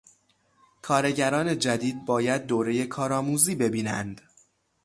کارگران جدید باید دورهٔ کار آموزی ببینند.